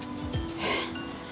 えっ？